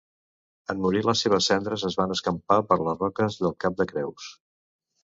En morir les seves cendres es van escampar per les roques del cap de Creus.